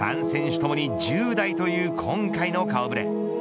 ３選手ともに１０代という今回の顔触れ。